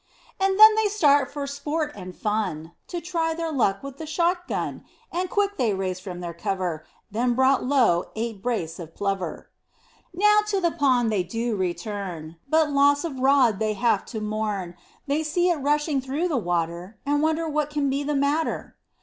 And then they start for sport and fun, To try their luck with the shot gun, And quick they raised from their cover, Then brought low eight brace of plover. Now to the pond they do return, But loss of rod they have to mourn, They see it rushing through the water, And wonder what can be the matter.